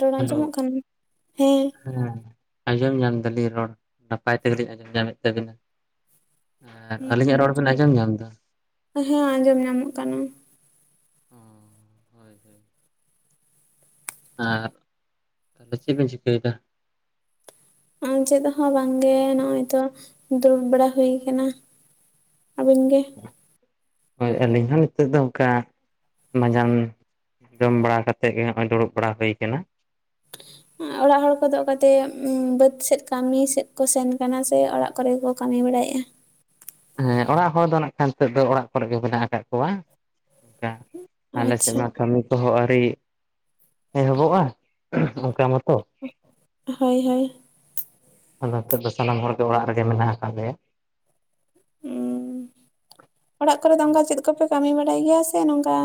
ᱨᱚᱲ ᱟᱸᱡᱚᱢᱚᱜ ᱦᱮᱞᱳ ᱠᱟᱱᱟ? ᱦᱮᱸ। ᱦᱮᱸ ᱟᱸᱡᱚᱢ ᱧᱟᱢ ᱫᱟᱞᱤᱧ ᱨᱚᱲ, ᱱᱟᱯᱟᱭ ᱛᱮᱜᱮᱞᱤᱧ ᱟᱸᱡᱚᱢ ᱧᱟᱢᱮᱫ ᱛᱟᱹᱵᱤᱱᱟ। ᱟᱞᱤᱧᱟᱜ ᱨᱚᱲ ᱵᱮᱱ ᱟᱸᱡᱚᱢ ᱧᱟᱢ ᱮᱫᱟ? ᱦᱮᱸ ᱟᱸᱡᱚᱢ ᱧᱟᱢᱚᱜ ᱠᱟᱱᱟ। ᱚᱸᱻ᱾ [unintelligible] ᱟᱨ ᱛᱟᱦᱟᱞᱮ ᱪᱮᱫ ᱵᱤᱱ ᱪᱤᱠᱟᱹᱭᱮᱫᱟ? ᱪᱮᱫ ᱦᱚᱸ ᱵᱟᱝᱜᱮ। ᱱᱚᱜᱼᱚᱭ ᱛᱚ ᱫᱩᱲᱩᱵ ᱵᱟᱲᱟ ᱦᱩᱭ ᱠᱟᱱᱟ। ᱟᱹᱵᱤᱱ ᱜᱮ? ᱦᱳᱭ ᱟᱹᱞᱤᱧ ᱦᱚᱸ ᱱᱤᱛᱳᱜ ᱫᱚ ᱚᱱᱠᱟᱼᱼ ᱢᱟᱸᱡᱟᱱ ᱡᱚᱢ ᱵᱟᱲᱟ ᱠᱟᱛᱮᱜ ᱜᱮ ᱦᱚᱸᱜᱼᱚᱭ ᱫᱩᱲᱩᱵ ᱵᱟᱲᱟ ᱦᱩᱭ ᱠᱟᱱᱟ। ᱟᱸ ᱚᱲᱟᱜ ᱦᱚᱲ ᱠᱚᱫᱚ ᱚᱠᱟᱛᱮ ᱵᱟᱹᱫᱽ ᱥᱮᱫ ᱠᱟᱹᱢᱤ ᱥᱮᱫ ᱠᱚ ᱥᱮᱱ ᱠᱟᱱᱟ ᱥᱮ ᱚᱲᱟᱜ ᱠᱚᱨᱮ ᱜᱮ ᱠᱚ ᱠᱟᱹᱢᱤ ᱵᱟᱲᱟᱭᱮᱫᱼᱟ? ᱦᱮᱸ ᱚᱲᱟᱜ ᱦᱚᱲ ᱫᱚ ᱱᱟᱜ ᱠᱷᱟᱱ ᱱᱤᱛᱚᱜ ᱫᱚ ᱚᱲᱟᱜ ᱠᱚᱨᱮᱜ ᱜᱮ ᱢᱮᱱᱟᱜ ᱟᱠᱟᱫ ᱠᱚᱣᱟ। ᱚᱱᱠᱟ ᱟᱞᱮ ᱥᱮᱫ ᱟᱪᱪᱷᱟ ᱢᱟ ᱠᱟᱹᱢᱤ ᱠᱚᱦᱚᱸ ᱟᱹᱣᱨᱤ ᱮᱦᱚᱵᱚᱜᱼᱟ। ᱚᱱᱠᱟ ᱢᱚᱛᱼᱼ ᱦᱳᱭ ᱦᱳᱭ᱾ ᱟᱫᱚ ᱦᱤᱛᱚᱜ ᱫᱚ ᱥᱟᱱᱟᱢ ᱦᱚᱲ ᱜᱮ ᱚᱲᱟᱜ ᱨᱮᱜᱮ ᱢᱮᱱᱟᱜ ᱟᱠᱟᱫ ᱞᱮᱭᱟ। ᱩᱸ ᱚᱲᱟᱜ ᱠᱚᱨᱮ ᱫᱚ ᱚᱱᱠᱟ ᱪᱮᱫ ᱠᱚᱯᱮ ᱠᱟᱹᱢᱤ ᱵᱟᱲᱟᱭ ᱜᱮᱭᱟ ᱥᱮ ᱱᱚᱝᱠᱟᱼᱼ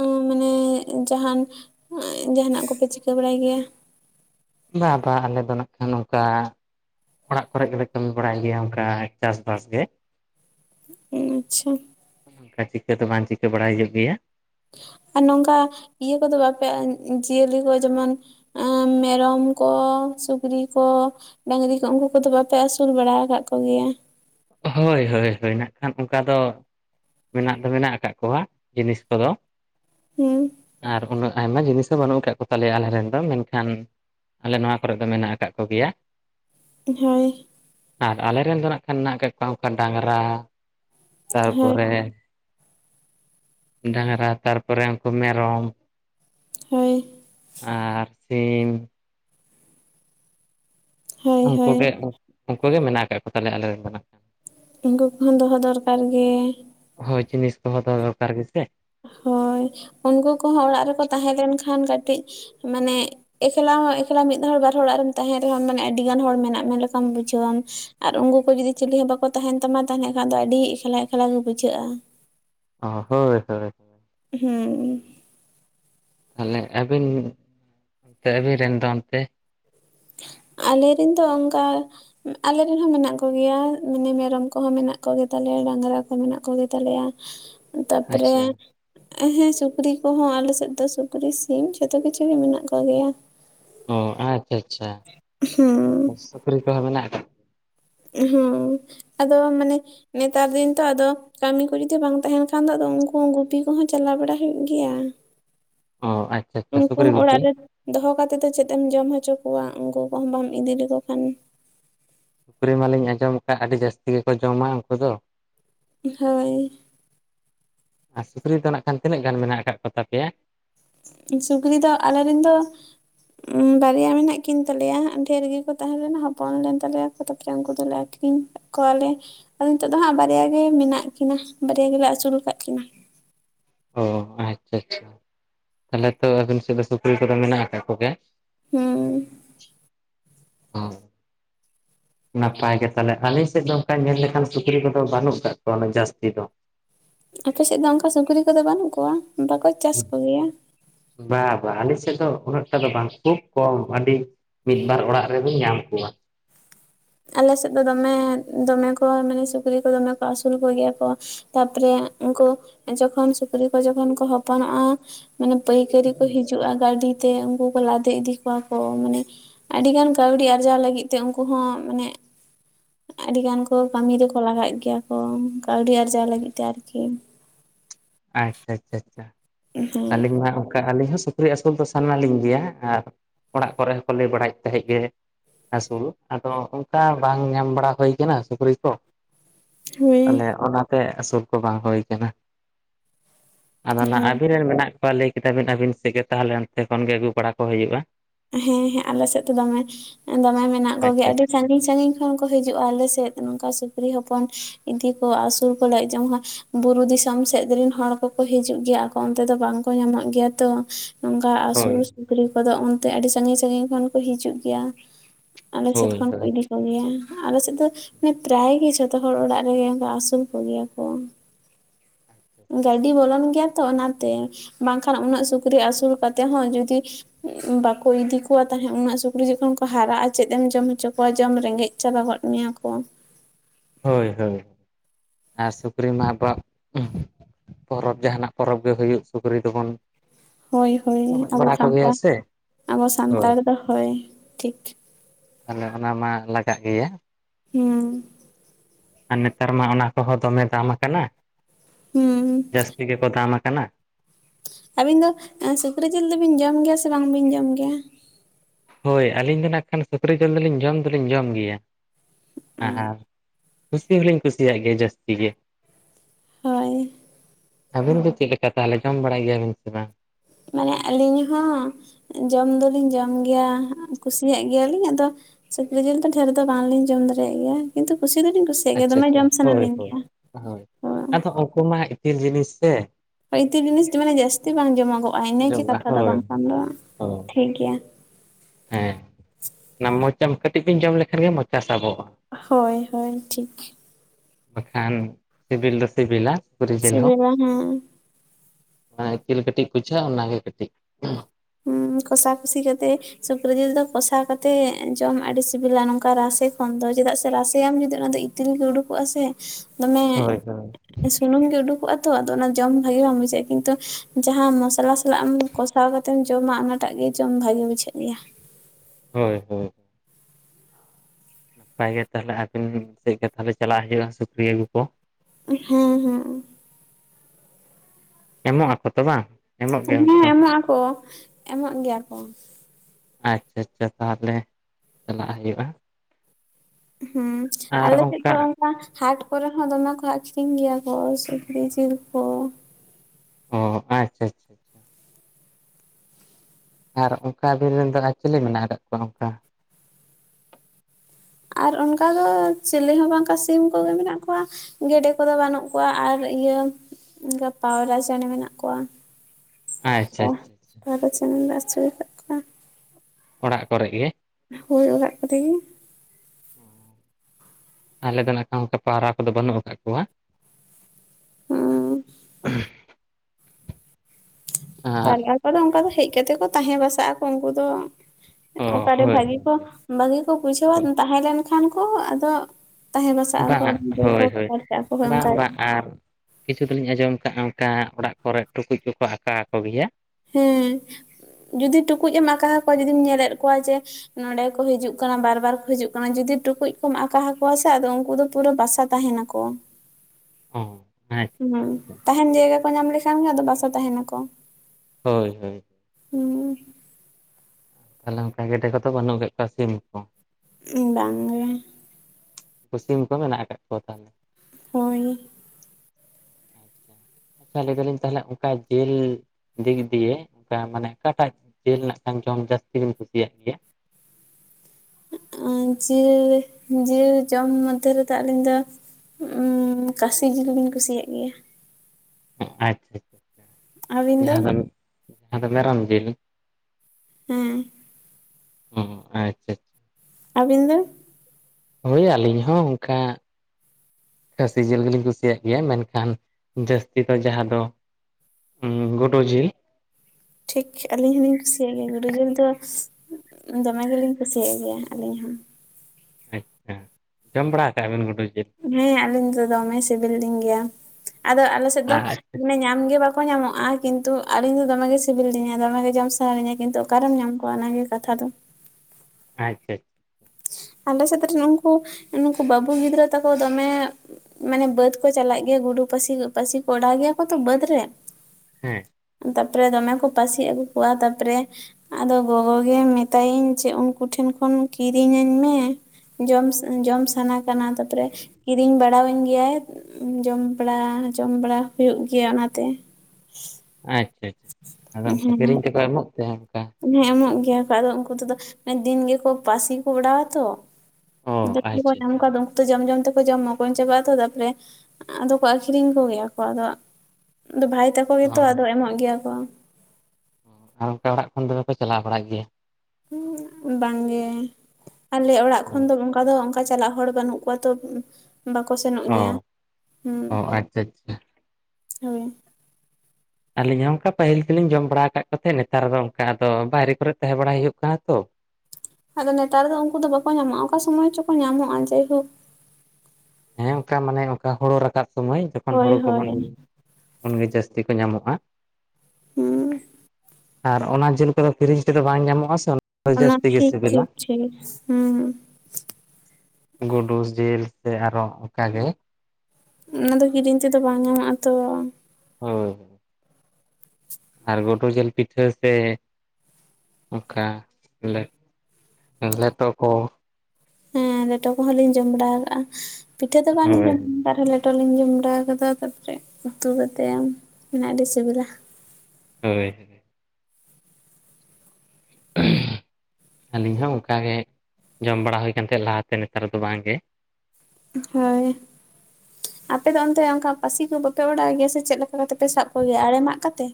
ᱟᱸ ᱢᱟᱱᱮ ᱡᱟᱦᱟᱱ ᱡᱟᱦᱟᱱᱟᱜ ᱠᱚᱯᱮ ᱪᱤᱠᱟᱹ ᱵᱟᱲᱟᱭ ᱜᱮᱭᱟ? ᱵᱟ ᱵᱟ ᱟᱞᱮ ᱫᱚ ᱱᱟᱜ ᱠᱷᱟᱱ ᱱᱚᱝᱠᱟ ᱚᱲᱟᱜ ᱠᱚᱨᱮᱜ ᱜᱮᱞᱮ ᱠᱟᱹᱢᱤ ᱵᱟᱲᱟᱭ ᱜᱮᱭᱟ ᱚᱱᱠᱟ ᱪᱟᱥᱵᱟᱥ ᱜᱮ। ᱟᱪᱪᱷᱟ᱾ ᱚᱱᱠᱟ ᱪᱤᱠᱟᱹ ᱫᱚ ᱵᱟᱝ ᱪᱤᱠᱟᱹ ᱵᱟᱲᱟᱭ ᱦᱩᱭᱩᱜ ᱜᱮᱭᱟ᱾ ᱟᱨ ᱱᱚᱝᱠᱟ ᱤᱭᱟᱹ ᱠᱚᱫᱚ ᱵᱟᱯᱮ ᱡᱤᱭᱟᱹᱞᱤ ᱠᱚ ᱡᱮᱢᱚᱱ ᱮᱸ ᱢᱮᱨᱚᱢ ᱠᱚ, ᱥᱩᱠᱨᱤ ᱠᱚ᱾ ᱰᱟᱹᱟᱝᱨᱤ ᱠᱚ᱾ ᱩᱱᱠᱩ ᱠᱚᱫᱚ ᱵᱟᱯᱮ ᱟᱹᱥᱩᱞ ᱵᱟᱲᱟᱣ ᱟᱠᱟᱫ ᱠᱚ ᱜᱮᱭᱟ᱾ ᱦᱳᱭ ᱦᱳᱭ ᱦᱳᱭ ᱱᱟᱜ ᱠᱷᱟᱱ ᱚᱱᱠᱟ ᱫᱚ ᱢᱮᱱᱟᱜ ᱫᱚ ᱢᱮᱱᱟᱜ ᱟᱠᱟᱫ ᱠᱚᱣᱟ ᱡᱤᱱᱤᱥ ᱠᱚᱫᱚ ᱦᱮᱸ ᱟᱨ ᱩᱱᱟᱹᱜ ᱟᱭᱢᱟ ᱡᱤᱱᱤᱥ ᱫᱚ ᱵᱟᱹᱱᱩᱜ ᱟᱠᱟᱫ ᱠᱚ ᱛᱟᱞᱮᱭᱟ ᱟᱞᱮ ᱨᱮᱱ ᱫᱚ ᱢᱮᱱᱠᱷᱟᱱ ᱟᱞᱮ ᱱᱚᱣᱟ ᱠᱚᱨᱮᱫ ᱫᱚ ᱢᱮᱱᱟᱜ ᱟᱠᱟᱫ ᱠᱚ ᱜᱮᱭᱟ᱾ ᱦᱚᱭ᱾ ᱟᱨ ᱟᱞᱮᱨᱮ ᱨᱮᱱ ᱫᱚ ᱱᱟᱜ ᱠᱷᱟᱱ ᱢᱮᱱᱟᱜ ᱟᱠᱟᱜ ᱠᱚᱣᱟ ᱚᱱᱠᱟ ᱰᱟᱝᱜᱨᱟ, ᱦᱳᱭ ᱛᱟᱨᱯᱚᱨᱮ ᱰᱟᱝᱜᱽᱨᱟ ᱛᱟᱨᱯᱚᱨᱮ ᱩᱱᱠᱩ ᱢᱮᱨᱚᱢ᱾ ᱦᱳᱭ ᱟᱨ ᱥᱤᱢ᱾ ᱦᱳᱭ ᱦᱳᱭ ᱩᱱᱠᱩᱜᱮ ᱩᱱᱠᱩ ᱜᱮ ᱢᱮᱱᱟᱜ ᱟᱠᱟᱫ ᱠᱚ ᱛᱟᱞᱮᱭᱟ ᱟᱞᱮ ᱨᱮᱱ ᱫᱚ ᱱᱟᱜ᱾ ᱩᱱᱠᱩ ᱠᱚᱦᱚᱸ ᱫᱚᱦᱚ ᱫᱚᱨᱠᱟᱨ ᱜᱮ᱾ ᱦᱳᱭ ᱡᱤᱱᱤᱥ ᱠᱚᱦᱚᱸ ᱫᱚᱦᱚ ᱴ ᱫᱚᱨᱠᱟᱨ ᱜᱮ ᱥᱮ᱾ ᱦᱳᱭ ᱩᱱᱠᱩ ᱠᱚᱦᱚᱸ ᱚᱲᱟᱜ ᱨᱮᱠᱚ ᱛᱟᱦᱮᱸ ᱞᱮᱱᱠᱷᱟᱱ ᱠᱟᱹᱴᱤᱡ ᱢᱟᱱᱮ ᱮᱠᱞᱟ ᱦᱚᱸ ᱮᱠᱞᱟ ᱢᱤᱫ ᱦᱚᱲ ᱵᱟᱨ ᱦᱚᱲ ᱟᱲᱟᱜ ᱨᱮᱢ ᱛᱟᱦᱮᱱ ᱨᱮᱦᱚᱸᱢ ᱢᱟᱱᱮ ᱟᱹᱰᱤ ᱜᱟᱱ ᱦᱚᱲ ᱢᱮᱱᱟᱜ ᱢᱮ ᱞᱮᱠᱟᱢ ᱵᱩᱡᱷᱟᱹᱣᱟᱢ᱾ ᱟᱨ ᱩᱱᱠᱩ ᱠᱚ ᱡᱩᱫᱤ ᱪᱤᱞᱤ ᱦᱚᱸ ᱵᱟᱠᱚ ᱛᱟᱦᱮᱱ ᱛᱟᱢᱟ ᱛᱟᱦᱚᱞᱮ ᱠᱷᱟᱱ ᱫᱚ ᱟᱹᱰᱤ ᱮᱠᱞᱟ ᱮᱠᱮᱞᱟ ᱜᱮ ᱵᱩᱡᱷᱟᱹᱜ-ᱟ᱾ ᱚ ᱦᱳᱭ ᱦᱳᱭ᱾ ᱦᱳᱭ ᱦᱩᱸ᱾ ᱛᱟᱦᱚᱞᱮ ᱟᱹᱵᱤᱱ ᱥᱮ ᱟᱹᱵᱤᱱ ᱨᱮᱱ ᱫᱚ ᱚᱱᱛᱮ ᱟᱞᱮ ᱨᱮᱱ ᱫᱚ ᱚᱱᱠᱟ ᱟᱞᱮ ᱨᱮᱱ ᱦᱚᱸ ᱢᱮᱱᱟᱜ ᱠᱚ ᱜᱮᱭᱟ ᱢᱟᱱᱮ ᱢᱮᱨᱚᱢ ᱠᱚᱦᱚᱸ ᱢᱮᱱᱟᱜ ᱠᱚᱜᱮᱭᱟ ᱛᱟᱞᱮᱭᱟ ᱰᱟᱝᱜᱨᱟ ᱠᱚᱦᱚᱸ ᱢᱮᱱᱟᱜ ᱠᱚᱜᱮ ᱛᱟᱞᱮᱭᱟ᱾ ᱦᱮᱸ ᱛᱟᱨᱯᱚᱨᱮ ᱟᱪᱪᱷᱟ ᱦᱮᱸ ᱥᱩᱠᱨᱤ ᱠᱚ ᱦᱚᱸ ᱟᱞᱮ ᱥᱮᱫ ᱫᱚ ᱥᱩᱠᱨᱤ ᱥᱤᱢ ᱡᱷᱚᱛᱚ ᱠᱤᱪᱷᱩ ᱜᱮ ᱢᱮᱱᱟᱜ ᱠᱚ ᱜᱮᱭᱟ᱾ ᱚ ᱟᱪᱪᱷᱟ ᱟᱪᱪᱷᱟ ᱦᱮᱸ ᱥᱩᱠᱨᱤ᱾ ᱠᱚᱦᱚᱸ ᱢᱮᱱᱟᱜ [unintelligible] ᱦᱩᱸ ᱟᱫᱚ ᱢᱟᱱᱮ ᱱᱮᱛᱟᱨ ᱫᱤᱱ ᱛᱚ ᱟᱫᱚᱼᱼ ᱠᱟᱹᱢᱤ ᱠᱚ ᱡᱩᱫᱤ ᱵᱟᱝ ᱛᱟᱦᱮᱱ ᱠᱷᱟᱱ ᱫᱚ ᱟᱫᱚ ᱩᱱᱠᱩ ᱦᱚᱸ ᱜᱩᱯᱤ ᱠᱚ ᱦᱚᱸ ᱪᱟᱞᱟᱣ ᱵᱟᱲᱟ ᱦᱩᱭᱩᱜ ᱜᱮᱭᱟ᱾ ᱚ ᱟᱪᱪᱷᱟ ᱟᱪᱪᱷᱟ ᱩᱱᱠᱩ ᱥᱩᱠᱨᱤ ᱦᱚᱸ ᱚᱲᱟᱜ ᱜᱩᱯᱤ ᱨᱮᱱᱼᱼ ᱫᱚᱦᱚ ᱠᱟᱛᱮᱫ ᱫᱚ ᱪᱮᱫ ᱮᱢ ᱡᱚᱢ ᱦᱚᱪᱚ ᱠᱚᱣᱟ ᱩᱱᱠᱩ ᱠᱚᱦᱚᱸ ᱵᱟᱢ ᱤᱫᱤ ᱞᱮᱠᱚ ᱠᱷᱟᱱ ᱥᱩᱠᱨᱤ ᱢᱟᱞᱤᱧ ᱟᱸᱡᱚᱢ ᱟᱠᱟᱫᱼᱟ ᱟᱹᱰᱤ ᱡᱟᱹᱥᱛᱤ ᱜᱮ ᱠᱚ ᱡᱚᱢᱟ ᱩᱱᱠᱩ ᱫᱚ? ᱦᱳᱭ ᱟᱨ ᱥᱩᱠᱨᱤ ᱫᱚ ᱱᱟᱜ ᱠᱷᱟᱱ ᱛᱤᱱᱟᱹᱜ ᱜᱟᱱ ᱢᱮᱱᱟᱜ ᱟᱠᱟᱫ ᱠᱚ ᱛᱟᱯᱮᱭᱟ? ᱥᱩᱠᱨᱤ ᱫᱚ ᱟᱞᱮ ᱨᱮᱱ ᱫᱚᱼᱼ ᱵᱟᱨᱭᱟ ᱢᱮᱱᱟᱜ ᱠᱤᱱ ᱛᱟᱞᱮᱭᱟ ᱰᱷᱮᱨ ᱜᱮᱠᱚ ᱛᱟᱦᱮᱸ ᱞᱮᱱᱟ, ᱦᱚᱯᱚᱱ ᱞᱮᱱ ᱛᱟᱞᱮᱭᱟ᱾ ᱛᱟᱯᱚᱨᱮ ᱩᱱᱠᱩ ᱫᱚᱞᱮ ᱟᱠᱷᱨᱤᱧ ᱟᱠᱟᱫ ᱠᱚᱣᱟᱞᱮᱼᱼ ᱟᱫᱚ ᱱᱤᱛᱚᱜ ᱫᱚ ᱦᱟᱸᱜ ᱵᱟᱨᱭᱟ ᱜᱮ ᱢᱮᱱᱟᱜ ᱠᱤᱱᱟ ᱵᱟᱨᱭᱟ ᱜᱮᱞᱮ ᱟᱹᱥᱩᱞ ᱟᱠᱟᱫ ᱠᱤᱱᱟ᱾ ᱚ ᱟᱪᱪᱷᱟ ᱟᱪᱪᱷᱟ ᱛᱟᱦᱚᱞᱮ ᱛᱚ ᱟᱵᱤᱱ ᱥᱮᱫ ᱫᱚ ᱥᱩᱠᱨᱤ ᱠᱚᱫᱚ ᱢᱮᱱᱟᱜ ᱟᱠᱟᱫ ᱠᱚᱜᱮᱭᱟ᱾ ᱦᱮᱸᱼᱼ ᱚ ᱱᱟᱯᱟᱭ ᱜᱮ ᱛᱟᱦᱚᱞᱮ ᱟᱞᱤᱧ ᱥᱮᱫ ᱫᱚ ᱚᱱᱠᱟ ᱧᱮᱞ ᱞᱮᱠᱷᱟᱱ ᱥᱩᱠᱨᱤ ᱠᱚᱫᱚ ᱵᱟᱹᱱᱩᱜ ᱟᱠᱟᱫ ᱠᱚᱣᱟ ᱡᱟᱹᱥᱛᱤ ᱫᱚ᱾ ᱟᱯᱮ ᱥᱮᱫ ᱫᱚ ᱚᱱᱠᱟ ᱥᱩᱠᱨᱤ ᱠᱚᱫᱚ ᱵᱟᱹᱱᱩᱜ ᱠᱚᱣᱟ ᱵᱟᱠᱚ ᱪᱟᱥ ᱠᱚ ᱜᱮᱭᱟ᱾ ᱵᱟᱝ ᱵᱟᱝ ᱟᱞᱮ ᱥᱮᱫ ᱫᱚ ᱩᱱᱟᱹᱜ ᱴᱟᱝ ᱫᱚ ᱵᱟᱝ ᱠᱷᱩᱵ ᱠᱚᱢ ᱟᱹᱰᱤ ᱢᱤᱫ ᱵᱟᱨ ᱚᱲᱟᱜ ᱨᱮᱵᱤᱱ ᱧᱟᱢ ᱠᱚᱣᱟ᱾ ᱟᱞᱮ ᱥᱮᱫ ᱫᱚ ᱫᱚᱢᱮ ᱫᱚᱢᱮ ᱠᱚ ᱢᱟᱱᱮ ᱥᱩᱠᱨᱤ ᱠᱚ ᱫᱚᱢᱮ ᱠᱚ ᱟᱹᱥᱩᱞ ᱠᱚ ᱜᱮᱭᱟ ᱠᱚ᱾ ᱛᱟᱨᱯᱚ ᱨᱮ ᱩᱱᱠᱩ ᱡᱚᱠᱷᱚᱱ ᱥᱩᱠᱨᱤ ᱠᱚ ᱡᱚᱠᱷᱚᱱ ᱠᱚ ᱦᱚᱯᱚᱱᱚᱜᱼᱟ᱾ ᱢᱟᱱᱮ ᱯᱟᱹᱭᱠᱟᱹᱨᱤ ᱠᱚ ᱦᱤᱡᱩᱜᱼᱟ, ᱜᱟᱹᱰᱤ ᱛᱮ ᱩᱱᱠᱩ ᱠᱚ ᱞᱟᱫᱮ ᱤᱫᱤ ᱠᱚᱣᱟ ᱠᱚ ᱢᱟᱱᱮᱼᱼ ᱟᱹᱰᱤᱜᱟᱱ ᱠᱟᱹᱣᱰᱤ ᱟᱨᱡᱟᱣ ᱞᱟᱹᱜᱤᱫ ᱛᱮ ᱩᱱᱠᱩ ᱦᱚᱸ ᱢᱟᱱᱮᱼᱼ ᱟᱹᱰᱤᱜᱟᱱ ᱠᱚ ᱠᱟᱹᱢᱤ ᱨᱮᱠᱚ ᱞᱟᱜᱟᱜ ᱜᱮᱭᱟ ᱠᱚ ᱠᱟᱹᱣᱰᱤ ᱟᱨᱡᱟᱣ ᱞᱟᱹᱜᱤᱫ ᱛᱮ ᱟᱨᱠᱤᱼᱼ ᱟᱪᱪᱷᱟ ᱟᱪᱪᱷᱟ ᱟᱪᱪᱷᱟ ᱦᱮᱸ ᱦᱳᱭ ᱟᱹᱞᱤᱧ ᱢᱟ ᱚᱱᱠᱟ ᱟᱹᱞᱤᱧ ᱦᱚᱸᱼᱼ ᱥᱩᱠᱨᱤ ᱟᱹᱥᱩᱞ ᱫᱚ ᱥᱟᱱᱟᱞᱤᱧ ᱜᱮᱭᱟ ᱟᱨ ᱚᱲᱟᱜ ᱠᱚᱨᱮ ᱦᱚᱸᱠᱚ ᱞᱟᱹᱭ ᱵᱟᱲᱟᱭ ᱮᱫ ᱛᱟᱦᱮᱸᱫ ᱜᱮᱼᱼ ᱟᱹᱥᱩᱞ ᱟᱫᱚ ᱚᱱᱠᱟ ᱵᱟᱝ ᱧᱟᱢ ᱵᱟᱲᱟ ᱦᱩᱭ ᱠᱟᱱᱟ ᱥᱩᱠᱨᱤ ᱠᱚ ᱛᱟᱦᱚᱞᱮ ᱚᱱᱟ ᱛᱮ ᱟᱹᱥᱩᱞ ᱠᱚ ᱵᱟᱝ ᱦᱩᱭ ᱠᱟᱱᱟ ᱟᱫᱚ ᱦᱳᱭ [unintelligible] [unintelligible] ᱢᱮᱱᱟᱜ ᱠᱚᱣᱟ ᱞᱟᱹᱭ ᱠᱮᱫᱟ ᱵᱤᱱ ᱟᱹᱵᱤᱱ ᱥᱮᱫ ᱜᱮ ᱛᱟᱦᱚᱞᱮ ᱚᱱᱛᱮ ᱠᱷᱚᱱ ᱜᱮ ᱟᱹᱜᱩ ᱵᱟᱲᱟ ᱠᱚ ᱦᱩᱭᱩᱜᱼᱟ᱾ ᱦᱮᱸ ᱦᱮᱸ ᱟᱞᱮ ᱥᱮᱫ ᱫᱚ ᱫᱚᱢᱮ ᱫᱚᱢᱮ ᱢᱮᱱᱟᱜ ᱠᱚ ᱜᱮᱭᱟ ᱟᱪᱪᱷᱟ ᱟᱹᱰᱤ ᱟᱪᱪᱷᱟ ᱥᱟᱺᱜᱤᱧ ᱥᱟᱺᱜᱤᱧᱼᱼ ᱡᱚᱠᱷᱚᱱ ᱠᱚ ᱦᱤᱡᱩᱜᱼᱟ ᱟᱞᱮ ᱥᱮᱫ ᱱᱚᱝᱠᱟ ᱥᱩᱠᱨᱤ ᱦᱚᱯᱚᱱ ᱤᱫᱤ ᱠᱚ ᱟᱥᱩᱞ ᱠᱚᱞᱮ ᱡᱚᱢᱟ ᱵᱩᱨᱩ ᱫᱤᱥᱚᱢ ᱥᱮᱫ ᱨᱮᱱ ᱦᱚᱲ ᱠᱚᱠᱚ ᱦᱤᱡᱩᱜ ᱜᱮᱭᱟ ᱟᱠᱚ ᱚᱱᱛᱮ ᱫᱚ ᱵᱟᱝ ᱠᱚ ᱧᱟᱢᱚᱜ ᱜᱮᱭᱟ ᱛᱚ ᱱᱚᱝᱠᱟ ᱟᱹᱥᱩᱞ ᱦᱳᱭ ᱥᱩᱠᱨᱤ ᱠᱚᱫᱚ ᱚᱱᱛᱮ ᱟᱹᱰᱤ ᱥᱟᱺᱜᱤᱧ ᱥᱟᱹᱜᱤᱧ ᱠᱷᱚᱱ ᱠᱚ ᱦᱤᱡᱩᱜ ᱜᱮᱭᱟ ᱟᱞᱮ ᱥᱮᱫ ᱦᱳᱭ ᱠᱷᱚᱱ ᱠᱚ ᱦᱳᱭ ᱤᱫᱤᱼᱼ ᱠᱚ ᱜᱮᱭᱟ ᱟᱞᱮ ᱥᱮᱫ ᱫᱚ ᱢᱟᱱᱮ ᱯᱨᱟᱭ ᱜᱮ ᱡᱷᱚᱛᱚ ᱦᱚᱲ ᱚᱲᱟᱜ ᱨᱮᱜᱮ ᱠᱚ ᱟᱹᱥᱩᱞ ᱠᱚᱜᱮᱭᱟ ᱟᱠᱚ ᱜᱟᱹᱰᱤ ᱵᱚᱞᱚᱱ ᱜᱮᱭᱟ ᱛᱚ ᱚᱱᱟ ᱛᱮ ᱵᱟᱝ ᱠᱷᱟᱱ ᱩᱱᱟᱹᱜ ᱥᱩᱠᱨᱤ ᱟᱹᱥᱩᱞ ᱠᱟᱛᱮᱫ ᱦᱚᱸ ᱡᱩᱫᱤᱼᱼ ᱦᱮᱸ ᱵᱟᱠᱚ ᱤᱫᱤ ᱠᱚᱣᱟ ᱛᱟᱦᱮᱸᱫ ᱩᱱᱟᱹᱜ ᱥᱩᱠᱨᱤ ᱡᱚᱠᱷᱚᱱ ᱠᱚ ᱦᱟᱨᱟᱜᱼᱟ ᱪᱮᱫ ᱮᱢ ᱡᱚᱢ ᱦᱚᱪᱚ ᱠᱚᱣᱟ ᱡᱚᱢ ᱨᱮᱸᱜᱮᱡᱼᱼ ᱪᱟᱵᱟ ᱜᱚᱫ ᱢᱮᱭᱟ ᱠᱚ᱾ ᱦᱳᱭ ᱦᱳᱭ ᱟᱨ ᱥᱩᱠᱨᱤ ᱢᱟ ᱟᱵᱚᱣᱟᱜ ᱯᱚᱨᱚᱵᱽ ᱡᱟᱦᱟᱱᱟᱜ ᱯᱚᱨᱚᱵᱽ ᱜᱮ ᱦᱩᱭᱩᱜ ᱥᱩᱠᱨᱤ ᱫᱚᱵᱚᱱᱼᱼ ᱦᱳᱭ ᱦᱳᱭ ᱟᱵᱚ ᱥᱟᱱᱛᱟᱲ ᱥᱮ ᱟᱵᱚ ᱦᱳᱭ ᱥᱟᱱᱛᱟᱲ ᱫᱚ ᱦᱳᱭ ᱴᱷᱤᱠᱼᱼ ᱛᱟᱦᱚᱞᱮ ᱚᱱᱟ ᱢᱟ ᱞᱟᱜᱟᱜ ᱜᱮᱭᱟ ᱦᱩᱸ ᱟᱨ ᱱᱮᱛᱟᱨ ᱢᱟ ᱚᱱᱟ ᱠᱚᱦᱚᱸ ᱫᱚᱢᱮ ᱫᱟᱢ ᱠᱟᱱᱟ᱾ ᱦᱩᱸ ᱡᱟᱹᱥᱛᱤ ᱜᱮᱠᱚ ᱫᱟᱢ ᱟᱠᱟᱱᱟ᱾ ᱟᱹᱵᱤᱱ ᱫᱚ ᱥᱩᱠᱨᱤ ᱡᱤᱞ ᱫᱚᱵᱤᱱ ᱡᱚᱢ ᱜᱮᱭᱟ ᱥᱮ ᱵᱟᱝᱵᱤᱱ ᱡᱚᱢ ᱜᱮᱭᱟ᱾ ᱦᱳᱭ ᱟᱹᱞᱤᱧ ᱫᱚ ᱱᱟᱜ ᱠᱷᱟᱱ ᱥᱩᱠᱨᱤ ᱡᱤᱞ ᱫᱚᱞᱤᱧ ᱡᱚᱢ ᱫᱚᱞᱤᱧ ᱡᱚᱢ ᱜᱮᱭᱟ ᱟᱦᱟ ᱠᱩᱥᱤ ᱦᱚᱸᱞᱤᱧ ᱠᱩᱥᱤᱭᱟᱜ ᱜᱮᱭᱟ ᱡᱟᱹᱥᱛᱤ ᱜᱮ᱾ ᱦᱳᱭ ᱟᱵᱤᱱ ᱫᱚ ᱪᱮᱫ ᱞᱮᱠᱟ ᱛᱟᱦᱚᱞᱮ ᱡᱚᱢ ᱵᱟᱲᱟᱭ ᱜᱮᱭᱟ ᱵᱤᱱ ᱥᱮ ᱵᱟᱝ? ᱢᱟᱱᱮ ᱟᱹᱞᱤᱧ ᱦᱚᱸ ᱡᱚᱢ ᱫᱚᱞᱤᱧ ᱡᱚᱢ ᱜᱮᱭᱟ ᱠᱩᱥᱤᱭᱟᱜ ᱜᱮᱭᱟᱞᱤᱧ ᱟᱫᱚ ᱥᱩᱠᱨᱤ ᱡᱤᱞ ᱫᱚ ᱰᱷᱮᱨ ᱫᱚ ᱵᱟᱝᱞᱤᱧ ᱡᱚᱢ ᱫᱟᱲᱮᱭᱟᱜ ᱜᱮᱭᱟ ᱠᱤᱱᱛᱩ ᱠᱩᱥᱤ ᱫᱚᱞᱤᱧ ᱠᱩᱥᱤᱭᱟᱜ ᱜᱮᱭᱟ ᱟᱪᱪᱷᱟ ᱫᱚᱢᱮ ᱟᱪᱪᱷᱟ ᱡᱚᱢ ᱥᱟᱱᱟ ᱦᱳᱭ ᱞᱤᱧ ᱦᱳᱭ ᱜᱮᱭᱟ᱾ ᱦᱳᱭ ᱦᱳᱭ ᱟᱫᱚ ᱩᱱᱠᱩ ᱢᱟ ᱤᱛᱤᱞ ᱡᱤᱱᱤᱥ ᱥᱮ᱾ ᱦᱚᱭᱛᱤ ᱡᱤᱱᱤᱥ ᱢᱟᱱᱮ ᱡᱟᱹᱥᱛᱤ ᱵᱟᱝ ᱡᱚᱢᱚᱜᱚᱜ-ᱟ ᱤᱱᱟᱹ ᱜᱮ ᱡᱚᱜᱼᱟ ᱠᱟᱛᱷᱟ ᱫᱚ ᱦᱳᱭ ᱵᱟᱝ ᱠᱟᱱ ᱫᱚ ᱦᱳᱭ ᱴᱷᱤᱠ ᱜᱮᱭᱟ᱾ ᱦᱮᱸ ᱚᱱᱟ ᱢᱚᱡᱽ ᱮᱢ ᱠᱟᱹᱴᱤᱡ ᱵᱮᱢ ᱡᱚᱢ ᱞᱮᱠᱷᱟᱱ ᱜᱮ ᱢᱚᱪᱟ ᱥᱟᱵᱚᱜ-ᱟ᱾ ᱦᱳᱭ ᱦᱳᱭ ᱴᱷᱤᱠ᱾ ᱵᱟᱠᱷᱟᱱ ᱥᱤᱵᱤᱞ ᱫᱚ ᱥᱤᱵᱤᱞᱟ ᱥᱩᱠᱨᱤ ᱡᱤᱞ ᱦᱚᱸ ᱥᱤᱵᱤᱞᱟ ᱦᱮᱸ ᱤᱠᱤᱞ ᱠᱟᱹᱴᱤᱡ ᱠᱷᱡᱟᱜ-ᱟ ᱚᱱᱟᱜᱮ ᱠᱟᱹᱴᱤᱡ ᱦᱩᱸ ᱠᱚᱥᱟ ᱠᱷᱥᱤ ᱠᱟᱛᱮᱜ ᱥᱩᱠᱨᱤ ᱡᱤᱞ ᱫᱚ ᱠᱚᱥᱟ ᱠᱟᱛᱮᱫ ᱡᱚᱢ ᱟᱹᱰᱤ ᱥᱤᱵᱤᱞᱟ ᱱᱚᱝᱠᱟ ᱨᱟᱥᱮ ᱠᱷᱚᱱ ᱫᱚ ᱪᱮᱫᱟᱜ ᱥᱮ ᱨᱟᱥᱮᱭᱟᱢ ᱡᱩᱫᱤ ᱚᱱᱟ ᱫᱚ ᱤᱛᱤᱞ ᱜᱮ ᱩᱰᱩᱠᱚᱜ-ᱟ ᱥᱮ ᱫᱚᱢᱮ ᱦᱳᱭ ᱦᱳᱭ ᱥᱩᱱᱩᱢ ᱜᱮ ᱩᱰᱩᱠᱚᱜ-ᱟ ᱛᱚ ᱟᱫᱚ ᱚᱱᱟ ᱡᱚᱢ ᱵᱷᱟᱜᱤ ᱵᱟᱝ ᱵᱩᱡᱷᱟᱹᱜ-ᱟ ᱠᱤᱱᱛᱩ ᱡᱟᱦᱟᱸ ᱢᱚᱥᱞᱟ ᱥᱟᱞᱟᱜ ᱮᱢ ᱠᱚᱥᱟᱣ ᱠᱟᱛᱮ ᱛᱮᱢ ᱡᱚᱢᱟ ᱚᱱᱟᱴᱟᱜ ᱜᱮ ᱡᱚᱢ ᱵᱷᱟᱜᱮ ᱵᱩᱡᱷᱟᱹᱜ ᱜᱮᱭᱟ᱾ ᱦᱳᱭ ᱦᱳᱭ᱾ ᱱᱟᱯᱟᱭ ᱜᱮ ᱛᱟᱦᱚᱞᱮ ᱟᱵᱮᱱ ᱥᱮᱫ ᱜᱮ ᱛᱟᱦᱚᱞᱮ ᱪᱟᱞᱟᱜ ᱦᱩᱭᱩᱜ-ᱟ ᱥᱩᱠᱨᱤᱭᱟᱹ ᱟᱜᱩ ᱠᱚ᱾ ᱦᱮᱸ ᱦᱮᱸ ᱮᱢᱚᱜ ᱟᱠᱚ ᱛᱚ ᱵᱟᱝ? ᱮᱢᱚᱜ ᱜᱮᱭᱟ ᱦᱮᱸ ᱠᱚ ᱮᱢᱚᱜ ᱟᱠᱚ ᱮᱢᱚᱜ ᱜᱮᱭᱟ ᱠᱚ᱾ ᱟᱪᱪᱷᱟ ᱟᱪᱪᱷᱟ ᱛᱟᱦᱚᱞᱮ ᱪᱟᱞᱟᱜ ᱦᱩᱭᱩᱜ-ᱟ᱾ ᱦᱩᱸ ᱟᱞᱮ ᱥᱮᱫ ᱚᱱᱠᱟ ᱫᱚ ᱦᱟᱴ ᱠᱚᱨᱮ ᱦᱚᱸ ᱫᱚᱢᱮ ᱠᱚ ᱟᱠᱷᱨᱤᱧ ᱜᱮᱭᱟ ᱠᱚ ᱥᱩᱠᱨᱤ ᱡᱤᱞ ᱠᱚ᱾ ᱚ ᱟᱪᱪᱷᱟ ᱟᱪᱪᱷᱟ᱾ ᱟᱪᱪᱷᱟ ᱟᱨ ᱚᱱᱠᱟ ᱟᱵᱤᱱ ᱨᱮᱱ ᱫᱚ ᱟᱨ ᱪᱮᱞᱮ ᱢᱮᱱᱟᱜ ᱟᱠᱟᱫ ᱠᱚᱣᱟ ᱚᱱᱠᱟ ᱟᱨ ᱚᱱᱠᱟ ᱫᱚ ᱪᱮᱞᱮ ᱦᱚᱸ ᱵᱟᱝᱠᱟ ᱥᱤᱢ ᱠᱚᱜᱮ ᱢᱮᱱᱟᱜ ᱠᱚᱣᱟ᱾ ᱜᱮᱰᱮ ᱠᱚᱫᱚ ᱵᱟᱹᱱᱩᱜ ᱠᱚᱣᱟ ᱟᱨ ᱤᱭᱟᱹ ᱚᱱᱠᱟ ᱯᱟᱣᱨᱟ ᱪᱮᱸᱬᱮ ᱢᱮᱱᱟᱜ ᱠᱚᱣᱟ᱾ ᱟᱪᱪᱷᱟ ᱟᱪᱪᱷᱟ᱾ ᱟᱪᱪᱷᱟ [unintelligible] ᱚᱲᱟᱜ ᱠᱚᱨᱮᱜ ᱜᱮ᱾ ᱦᱳᱭ ᱚᱲᱟᱜ ᱠᱚᱨᱮ ᱜᱤ᱾ ᱟᱞᱮ ᱫᱚ ᱱᱟᱜ-ᱠᱟᱱ ᱚᱱᱠᱟ ᱯᱟᱣᱨᱟ ᱠᱚᱫᱚ ᱵᱟᱹᱱᱩᱜ ᱟᱠᱟᱫ ᱠᱚᱣᱟ᱾ ᱦᱩᱸ ᱟᱨ ᱯᱟᱨᱞᱟ ᱠᱚᱫᱚ ᱚᱱᱠᱟ ᱫᱚ ᱦᱮᱡ ᱠᱟᱛᱮᱜ ᱠᱚ ᱛᱟᱦᱮᱸ ᱵᱟᱥᱟᱜ ᱟᱠᱚ ᱩᱱᱠᱩ ᱫᱚ᱾ ᱚ ᱚᱠᱟᱨᱮ ᱦᱳᱭ ᱵᱷᱟᱹᱜᱤ ᱠᱚ ᱵᱷᱟᱹᱜᱤ ᱠᱚ ᱵᱩᱡᱷᱟᱹᱣᱟ ᱛᱟᱦᱮᱸ ᱞᱮᱱᱠᱷᱟᱱ ᱠᱚ ᱟᱫᱚ ᱛᱟᱦᱮᱸ ᱵᱟᱥᱟᱜ ᱟᱠᱚ ᱵᱟᱝ ᱠᱚ ᱦᱳᱭ ᱦᱳᱭ ᱯᱟᱨᱪᱟᱜ ᱟᱠᱚ ᱵᱟᱝ ᱚᱱᱠᱟ ᱜᱮ᱾ ᱵᱟᱝ ᱟᱨ ᱠᱤᱪᱷᱩ ᱫᱚᱞᱤᱧ ᱟᱸᱡᱚᱢ ᱟᱠᱟᱫ-ᱟ ᱚᱱᱠᱟ ᱚᱲᱟᱜ ᱠᱚᱨᱮ ᱴᱩᱠᱩᱡ ᱠᱚᱠᱚ ᱦᱟᱛᱟ-ᱟ ᱠᱚ ᱜᱮᱭᱟ᱾ ᱦᱮᱸ ᱡᱩᱫᱤ ᱴᱩᱠᱩᱡ ᱮᱢ ᱟᱠᱟᱸᱦᱟ ᱠᱚᱣᱟ ᱡᱩᱫᱤᱢ ᱧᱮᱞᱮᱫ ᱠᱚᱣᱟ ᱡᱮ ᱱᱚᱸᱰᱮ ᱠᱚ ᱦᱤᱡᱩᱜ ᱠᱟᱱᱟ ᱵᱟᱨ ᱵᱟᱨ ᱠᱚ ᱦᱤᱡᱩᱜ ᱠᱟᱱᱟ ᱡᱩᱫᱤ ᱴᱩᱠᱩᱡ ᱠᱚᱢ ᱟᱠᱟ ᱟᱠᱚᱣᱟ ᱥᱮ ᱟᱫᱚ ᱩᱱᱠᱩ ᱫᱚ ᱯᱩᱨᱟᱹ ᱵᱟᱥᱟ ᱛᱟᱦᱮᱱ ᱟᱠᱚ, ᱦᱮᱸ᱾ ᱦᱮᱸ ᱛᱟᱦᱮᱱ ᱡᱟᱭᱜᱟ ᱠᱚ ᱧᱟᱢ ᱞᱮᱠᱷᱟᱱ ᱜᱮ ᱟᱫᱚ ᱵᱟᱥᱟ ᱛᱟᱦᱮᱱ ᱟᱠᱚ ᱾ ᱦᱳᱭ ᱦᱳᱭ ᱾ ᱦᱩᱸ᱾ ᱛᱟᱦᱚᱞᱮ ᱚᱱᱠᱟ ᱜᱮᱰᱮ ᱠᱚᱫᱚ ᱵᱟᱹᱱᱩᱜ ᱠᱟᱜ ᱠᱚᱣᱟ ᱥᱤᱢ ᱠᱚ, ᱵᱟᱝ ᱜᱮ, ᱩᱱᱠᱩ ᱥᱤᱢ ᱠᱚ ᱢᱮᱱᱟᱜ ᱟᱠᱟᱜ ᱠᱚᱣᱟ ᱛᱟᱦᱚᱞᱮ, ᱦᱳᱭ᱾ ᱟᱪᱪᱷᱟ ᱟᱪᱪᱷᱟ ᱞᱟᱹᱭ ᱫᱟᱞᱤᱧ ᱛᱟᱦᱚᱞᱮ ᱚᱱᱠᱟ ᱡᱤᱞ ᱫᱤᱠ ᱫᱤᱭᱮ ᱚᱱᱠᱟ ᱢᱟᱱᱮ ᱚᱠᱟᱴᱟᱜ ᱡᱤᱞ ᱱᱟᱜ ᱠᱷᱟᱱ ᱡᱚᱢ ᱡᱟᱹᱥᱛᱤ ᱵᱤᱱ ᱠᱩᱥᱤᱭᱟᱜ ᱜᱮᱭᱟ? ᱟᱨ ᱡᱮ, ᱡᱤᱞ ᱡᱚᱢ ᱢᱚᱫᱽᱫᱷᱮ ᱨᱮᱫᱚ ᱟᱹᱞᱤᱧ ᱫᱚ ᱩᱸ ᱠᱟᱹᱥᱤ ᱡᱤᱞ ᱦᱚᱞᱤᱧ ᱠᱩᱥᱤᱭᱟᱜ ᱜᱮᱭᱟ᱾ ᱟᱪᱪᱷᱟ ᱟᱪᱪᱷᱟ, ᱡᱟᱦᱟᱸ ᱫᱚ ᱡᱟᱦᱟᱸ ᱫᱚ ᱢᱮᱨᱚᱢ ᱡᱮᱞ, ᱦᱮᱸ᱾ ᱚ ᱟᱪᱪᱷᱟ ᱟᱪ, ᱟᱵᱤᱱ ᱫᱚ? ᱦᱳᱭ ᱟᱹᱞᱤᱧ ᱦᱚᱸ ᱚᱱᱠᱟ ᱠᱷᱟᱹᱥᱤ ᱡᱮᱞ ᱜᱮᱞᱤᱧ ᱠᱩᱥᱤᱭᱟᱜ ᱜᱮᱭᱟ ᱢᱮᱱᱠᱷᱟᱱ ᱡᱟᱹᱥᱛᱤ ᱫᱚ ᱡᱟᱦᱟᱸ ᱫᱚ ᱦᱩᱸ ᱜᱳᱰᱩ ᱡᱤ, ᱴᱷᱤᱠ ᱟᱹᱞᱤᱧ ᱦᱚᱞᱤᱧ ᱠᱩᱥᱤᱭᱟᱜ ᱜᱮᱭᱟ ᱜᱩᱰᱩ ᱡᱤᱞ ᱫᱚ ᱫᱚᱢᱮ ᱜᱮᱞᱤᱧ ᱠᱩᱥᱤᱭᱟᱜ ᱜᱮᱭᱟ᱾ ᱟᱹᱞᱤᱧ ᱦᱚᱸ ᱟᱪᱪᱷᱟ ᱡᱚᱢ ᱵᱟᱲᱟ ᱠᱟᱜ ᱵᱤᱱ ᱜᱩᱰᱩ ᱡᱤᱞ? ᱦᱮᱸ ᱟᱹᱞᱤᱧ ᱫᱚ ᱫᱚᱢᱮ ᱥᱤᱵᱤᱞ ᱞᱤᱧ ᱜᱮᱭᱟ ᱟᱫᱚ ᱟᱞᱮ ᱥᱮᱫ ᱫᱚ ᱟᱪᱪᱷᱟ ᱢᱟᱱᱮ ᱧᱟᱢ ᱜᱮ ᱵᱟ ᱵᱟᱠᱚ ᱧᱟᱢᱚᱜᱼᱟ ᱠᱤᱱᱛᱩ ᱟᱹᱞᱤᱧ ᱫᱚ ᱫᱚᱢᱮᱜᱮ ᱜᱮ ᱥᱤᱵᱤᱞ ᱞᱤᱧᱟ ᱫᱚᱢᱮᱜᱮ ᱜᱮ ᱡᱚᱢ ᱥᱟᱱᱟ ᱞᱤᱧᱟ ᱠᱤᱱᱛᱩ ᱚᱠᱟᱨᱮᱢ ᱧᱟᱢ ᱠᱚᱣᱟ ᱚᱱᱟᱜᱮ ᱠᱟᱛᱷᱟ ᱫᱚ᱾ ᱟᱪᱪᱷᱟ ᱪᱷᱟ, ᱟᱞᱮ ᱥᱮᱫ ᱨᱮᱱ ᱩᱱᱠᱩ ᱩᱱᱠᱩ ᱵᱟᱹᱵᱩ ᱜᱤᱫᱽᱨᱟᱹ ᱛᱟᱠᱚ ᱫᱚᱢᱮ ᱢᱟᱱᱮ ᱵᱟᱹᱫᱽ ᱠᱚ ᱪᱟᱞᱟᱜ ᱜᱮᱭᱟ ᱜᱩᱰᱩ ᱯᱟᱹᱥᱤ ᱯᱟᱹᱥᱤ ᱠᱚ ᱚᱰᱟᱣ ᱜᱮᱭᱟ ᱠᱚ ᱛᱚ ᱵᱟᱹᱫᱽ ᱨᱮ, ᱦᱮᱸ᱾ ᱛᱟᱨᱯᱚᱨᱮ ᱫᱚᱢᱮ ᱠᱚ ᱯᱟᱹᱥᱤ ᱟᱹᱜᱩ ᱠᱚᱣᱟ ᱛᱟᱨᱯᱚᱨᱮ ᱟᱫᱚ ᱜᱚᱜᱚ ᱜᱮ ᱢᱮᱛᱟᱭᱤᱧ ᱡᱮ ᱩᱱᱠᱩ ᱴᱷᱮᱱ ᱠᱷᱚᱱ ᱠᱤᱨᱤᱧ ᱤᱧ ᱢᱮ ᱡᱚᱢ, ᱡᱚᱢ ᱥᱟᱱᱟ ᱠᱟᱱᱟ ᱛᱟᱯᱚᱨᱮ ᱠᱤᱨᱤᱧ ᱵᱟ ᱯᱟᱲᱟᱣᱟᱹᱧ ᱜᱮᱭᱟᱭ ᱡᱚᱢ ᱵᱟᱵᱟ ᱡᱚᱢ ᱵᱟᱲᱟ ᱦᱩᱭᱩᱜ ᱜᱮᱭᱟ ᱚᱱᱟᱛᱮ᱾ ᱟᱪᱪᱷᱟ, ᱟᱪᱪᱷᱟ ᱪᱷᱟ ᱟᱫᱚ ᱚᱱᱠᱟ ᱦᱮᱸ ᱠᱤᱨᱤᱧ ᱛᱮᱠᱚ ᱮᱢᱚᱜ ᱛᱮ ᱚᱱᱠᱟ? ᱦᱮᱸ ᱮᱢᱚᱜ ᱜᱮᱭᱟ ᱠᱚ ᱟᱫᱚ ᱩᱱᱠᱩ ᱛᱮᱫᱚ ᱫᱤᱱ ᱜᱮᱠᱚ ᱯᱟᱹᱥᱤ ᱠᱚ ᱚᱲᱟᱣ ᱛᱚ᱾ ᱚ ᱫᱤᱱ ᱟᱪᱪᱷᱟ ᱨᱮᱱ ᱟᱪᱪᱷᱟ ᱚᱱᱠᱟ ᱫᱚ, ᱛᱚ ᱡᱚᱢ ᱡᱚᱢ ᱛᱮᱠᱚ ᱡᱚᱢ ᱢᱚᱠᱚᱧ ᱪᱟᱵᱟᱜᱼᱟ ᱛᱚ ᱛᱟᱯᱚᱨᱮ ᱟᱫᱚ ᱠᱚ ᱟᱠᱷᱨᱤᱧ ᱠᱚᱜᱮᱭᱟ ᱠᱚ ᱟᱫᱚ ᱟᱫᱚ ᱵᱷᱟᱭ ᱛᱟᱠᱚ ᱚ ᱜᱮᱛᱚ ᱟᱫᱚ ᱮᱢᱚᱜ ᱜᱮᱭᱟ ᱠᱚ᱾ ᱟᱨ ᱚᱱᱠᱟ ᱚᱲᱟᱜ ᱠᱷᱚᱱ ᱫᱚ ᱵᱟᱠᱚ ᱪᱟᱞᱟᱜ ᱵᱟᱲᱟᱜ ᱜᱮᱭᱟ? ᱩᱸ ᱵᱟᱝ ᱜᱮ ᱟᱞᱮ ᱚᱲᱟᱜ ᱚ ᱠᱷᱚᱱ ᱫᱚ ᱚᱱᱠᱟ ᱫᱚ, ᱚᱱᱠᱟ ᱪᱟᱞᱟᱜ ᱦᱚᱲ ᱵᱟᱹᱱᱩᱜ ᱠᱚᱣᱟ ᱛᱚ᱾ ᱵᱟᱠᱚ ᱥᱮᱱᱚᱜ ᱜᱮᱭᱟ ᱦᱩᱸ ᱚ ᱟᱪᱪᱷᱟ ᱟᱪᱪᱷᱟ ᱦᱳᱭ᱾ ᱟᱹᱞᱤᱧ ᱦᱚᱸ ᱚᱱᱠᱟ ᱯᱟᱹᱦᱤᱞ ᱛᱮᱞᱤᱧ ᱡᱚᱢ ᱵᱟᱲᱟ ᱠᱟᱜ ᱠᱚᱛᱮ ᱛᱟᱦᱮᱸᱫ ᱱᱮᱛᱟᱨ ᱫᱚ ᱚᱱᱠᱟ ᱟᱫᱚ ᱵᱟᱭᱨᱮ ᱠᱚᱨᱮᱫ ᱛᱟᱦᱮᱸ ᱵᱟᱲᱟ ᱦᱩᱭᱩᱜ ᱠᱟᱱᱟ ᱛᱚ᱾ ᱟᱫᱚ ᱱᱮᱛᱟᱨ ᱫᱚ ᱩᱱᱠᱩ ᱫᱚ ᱵᱟᱠᱚ ᱧᱟᱢᱚᱜᱼᱟ ᱚᱠᱟ ᱥᱚᱢᱚᱭ ᱪᱚᱠᱚ ᱧᱟᱢᱚᱜᱼᱟ ᱡᱟᱭᱦᱳᱠ, ᱦᱮᱸ ᱚᱱᱠᱟ ᱢᱟᱱᱮ ᱚᱱᱠᱟ ᱦᱳᱲᱳ ᱨᱟᱠᱟᱵ ᱥᱚᱢᱚᱭ ᱡᱚᱠᱷᱚᱱ ᱦᱳᱭ ᱦᱳᱲᱩ ᱦᱳᱭ ᱠᱚᱵᱚᱱ ᱤᱨᱟ᱾ ᱩᱱᱜᱮ ᱡᱟᱥᱛᱤ ᱠᱚ ᱧᱟᱢᱚᱜᱼᱟ ᱦᱩᱺ ᱾ ᱟᱨ ᱚᱱᱟ ᱡᱮᱹᱞ ᱠᱚᱫᱚ ᱠᱤᱨᱤᱧ ᱛᱮᱫᱚ ᱵᱟᱝ ᱧᱟᱢᱚᱜᱼᱟ ᱥᱮ ᱚᱱᱟ ᱡᱟᱹᱥᱛᱤ ᱜᱮ ᱥᱮᱤᱵᱤᱞᱟ ᱾ ᱠᱞᱤᱯᱥ, ᱸ ᱦᱩᱸ ᱾ ᱜᱰᱩᱳᱥ ᱡᱮᱹᱞ ᱥᱮ ᱟᱨᱚ ᱚᱱᱠᱟᱜᱮ ᱚᱱᱟ ᱫᱚ ᱠᱤᱨᱤᱧ ᱛᱮᱫᱚ ᱵᱟᱝ ᱧᱟᱢᱚᱜᱼᱟ ᱛᱚ ᱦᱳᱭ ᱾ ᱟᱨ ᱜᱳᱰᱳ ᱡᱮᱹᱞ ᱯᱤᱴᱷᱟᱹ ᱥᱮ ᱚᱱᱠᱟ ᱞᱮᱜ-ᱞᱮᱴᱚ ᱠᱚ ᱦᱮᱸ ᱞᱮᱴᱚ ᱠᱚᱦᱚᱸ ᱞᱤᱧ ᱡᱚᱢ ᱵᱟᱲᱟᱣ ᱠᱟᱜᱼᱟ ᱯᱤᱴᱷᱟᱹ ᱫᱚ ᱵᱟᱝ ᱞᱤᱧ ᱦᱳᱭ ᱡᱚᱢ ᱟᱨᱦᱚᱸ ᱞᱮᱴᱚ ᱞᱤᱧ ᱡᱚᱢ ᱵᱟᱲᱟᱣ ᱟᱠᱟᱫᱟ ᱛᱟᱯᱚᱨᱮ ᱩᱛᱩᱛ ᱠᱟᱛᱮᱢ ᱚᱱᱟ ᱟᱹᱰᱤ ᱥᱮ ᱵᱮᱹᱞᱟ ᱾ ᱦᱳᱭ ᱾ [inaudible] ᱨᱚᱲ ᱟᱲᱟᱝ ᱫᱚ ᱵᱟᱝ ᱠᱟᱱᱟ ᱾ ᱟᱹᱞᱤᱧ ᱦᱚᱸ ᱚᱱᱠᱟᱜ ᱜᱮ ᱡᱚᱢ ᱵᱟᱲᱟ ᱦᱩᱭ ᱠᱟᱱᱛᱮ ᱞᱟᱦᱟᱛᱮ ᱱᱮᱛᱟᱨ ᱫᱚ ᱵᱟᱝ ᱜᱮ ᱾ ᱦᱚᱭ ᱾ ᱟᱯᱮ ᱫᱚ ᱚᱱᱛᱮ ᱚᱱᱠᱟ ᱯᱟᱥᱤ ᱠᱚ ᱵᱟᱯᱮ ᱚᱰᱟᱣ ᱜᱮᱭᱟ ᱥᱮ ᱪᱮᱫ ᱞᱮᱠᱟ ᱠᱟᱛᱮ ᱯᱮ ᱥᱟᱵ ᱠᱚᱜᱮᱭᱟ ᱟᱲᱮ ᱢᱟᱜ ᱠᱟᱛᱮ?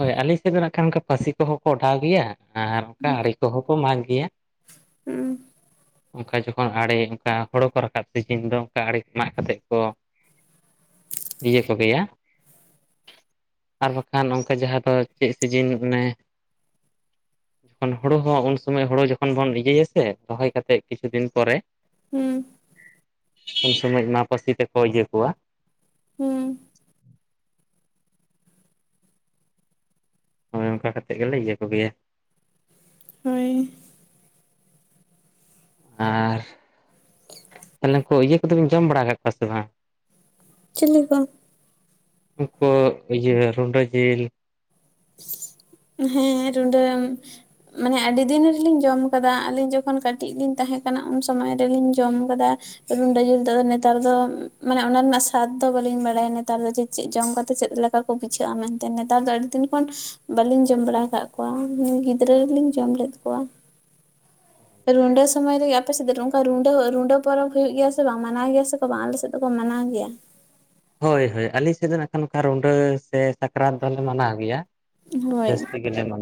ᱦᱳᱭ, ᱟᱞᱤᱧ ᱥᱮᱫ ᱫᱚ ᱱᱟᱜ ᱠᱷᱟᱱ ᱚᱱᱠᱟ ᱯᱟᱥᱤ ᱠᱚᱦᱚᱸ ᱠᱚ ᱚᱰᱟᱣ ᱜᱮᱭᱟ ᱟᱨ ᱚᱱᱠᱟ ᱟᱲᱮ ᱠᱚᱦᱚᱸ ᱠᱚ ᱢᱟᱜᱽ ᱜᱮᱭᱟ ᱾ ᱦᱩᱸ ᱾ ᱚᱱᱠᱟ ᱡᱚᱠᱷᱚᱱ ᱟᱲᱮᱹ ᱚᱱᱠᱟ ᱦᱳᱲᱳ ᱠᱚ ᱨᱟᱠᱟᱵ ᱥᱤᱡᱤᱱ ᱫᱚ ᱚᱱᱠᱟ ᱟᱲᱮᱹ ᱠᱚ ᱢᱟᱜ ᱠᱟᱛᱮᱜ ᱠᱚ ᱤᱭᱟᱹ ᱠᱚᱜᱮᱭᱟ ᱟᱨ ᱵᱟᱠᱷᱟᱱ ᱱᱚ ᱡᱟᱦᱟ ᱫᱚ ᱪᱮᱫ ᱥᱤᱡᱤᱱ ᱚᱱᱮ [inaudible] ᱪᱮᱫ ᱦᱚᱸ ᱵᱟᱹᱱᱩᱜ ᱟ ᱾ ᱡᱚᱠᱷᱚᱱ ᱦᱳᱲᱳ ᱦᱚᱸ ᱩᱱ ᱥᱩᱢᱚᱭ ᱦᱳᱲᱳ ᱡᱚᱠᱷᱚᱱ ᱵᱚᱱ ᱤᱭᱟᱹᱭᱟ ᱥᱮ ᱨᱚᱦᱚᱭ ᱠᱟᱛᱮᱜ ᱠᱤᱪᱷᱩ ᱫᱤᱱ ᱯᱚᱨᱮ ᱦᱩᱸ ᱾ ᱩᱱ ᱥᱚᱢᱚᱡ ᱢᱟ ᱯᱟᱹᱥᱤ ᱛᱮᱠᱚ ᱤᱭᱟᱹ ᱠᱚᱣᱟ ᱾ ᱦᱩᱸ ᱾ ᱦᱳᱭ, ᱚᱝᱠᱟ ᱠᱟᱛᱮᱜ ᱜᱮᱞᱮ ᱤᱭᱟᱹ ᱠᱚᱜᱮᱭᱟ ᱾ ᱦᱳᱭ-ᱤᱝ ᱾ ᱟ-ᱨ‌-ᱨ-ᱜ ᱾ ᱱᱩᱠᱩ ᱤᱭᱟᱹ ᱠᱚᱫᱚᱵᱮᱱ ᱡᱚᱢ ᱵᱟᱲᱟ ᱟᱠᱟᱫ ᱠᱚᱣᱟ ᱥᱮ ᱵᱟᱝ? ᱪᱤᱞᱤ ᱠᱚ? ᱱᱩᱠᱩ ᱤᱭᱟᱹ ᱨᱩᱸᱰᱟᱹ ᱡᱮᱹᱞ ᱾ ᱦᱮᱸᱜ, ᱨᱩᱸᱰᱟ ᱢᱟᱱᱮ ᱟᱹᱰᱤ ᱫᱤᱱ ᱨᱮᱞᱤᱧ ᱡᱚᱢ ᱟᱠᱟᱫᱟ ᱟᱹᱞᱤᱧ ᱡᱚᱠᱷᱚᱱ ᱠᱟᱴᱤᱡ ᱞᱤᱧ ᱛᱟᱦᱮᱸ ᱠᱟᱱᱟ ᱩᱱ ᱥᱚᱢᱚᱭ ᱨᱮᱞᱤᱧ ᱡᱚᱢ ᱟᱠᱟᱫᱟ ᱾ ᱨᱩᱸᱰᱟᱹ ᱡᱮᱹᱞ ᱫᱚ ᱱᱮᱛᱟᱨ ᱫᱚ ᱩᱦ-ᱢᱟᱱᱮ ᱚᱱᱟ ᱨᱮᱱᱟᱜ ᱥᱟᱫᱽ ᱫᱚ ᱵᱟᱞᱤᱧ ᱵᱟᱲᱟᱭᱟ ᱱᱮᱛᱟᱨ ᱫᱚ ᱡᱮ ᱪᱮᱫ ᱡᱚᱢ ᱠᱟᱛᱮ ᱪᱮᱫ ᱞᱮᱠᱟ? ᱠᱚ ᱵᱩᱡᱷᱟᱹᱜ ᱟ ᱢᱮᱱᱛᱮ ᱱᱮᱛᱟᱨ ᱫᱚ ᱟᱹᱰᱤ ᱫᱤᱱ ᱠᱷᱚᱱ ᱵᱟᱞᱤᱧ ᱡᱚᱢ ᱵᱟᱲᱟ ᱟᱠᱟᱫ ᱠᱚᱣᱟ ᱜᱤᱫᱽᱨᱟᱹ ᱨᱮᱞᱤᱧ ᱡᱚᱢ ᱞᱮᱫ ᱠᱚᱣᱟ ᱾ [inaudible] ᱨᱚᱲ ᱟᱲᱟᱝ ᱫᱚ ᱵᱟᱝ ᱠᱟᱰᱟ ᱾ ᱨᱩᱸᱰᱟᱹ ᱥᱚᱢᱚᱭ ᱨᱮᱜᱮ ᱟᱯᱮᱥᱮᱫ ᱫᱚ ᱱᱚᱝᱠᱟ ᱨᱩᱸᱰᱟᱹ ᱨᱩᱸᱰᱟᱹ ᱯᱚᱨᱚᱵᱽ ᱦᱩ ᱭᱩᱜ ᱜᱮᱭᱟ ᱥᱮ ᱵᱟᱝ ᱢᱟᱱᱟᱣ ᱜᱮᱭᱟ ᱥᱮ ᱠᱚ ᱵᱟᱝ ᱟᱞᱮ ᱥᱮᱫ ᱫᱚᱠᱚ ᱢᱟᱱᱟᱣ ᱜᱮᱭᱟ ᱾ ᱦᱳᱭ ᱦᱳᱭ ᱟᱞᱤᱧ ᱥᱮᱫ ᱫᱚ ᱱᱟᱜᱠᱷᱟᱱ ᱚᱱᱠᱟ ᱨᱩᱸᱰᱟᱹ ᱥᱮ ᱥᱟᱠᱨᱟᱛ ᱫᱚᱞᱮ ᱢᱟᱱᱟᱣ ᱜᱮᱭᱟ ᱦᱳᱭ ᱡᱟᱹᱥᱛᱤ ᱾ ᱜᱮᱞᱮ ᱢᱟᱱᱟᱣ ᱾